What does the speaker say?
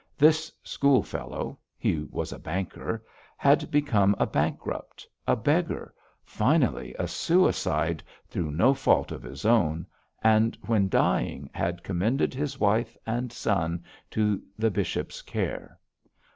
This schoolfellow he was a banker had become a bankrupt, a beggar, finally a suicide, through no fault of his own, and when dying, had commended his wife and son to the bishop's care.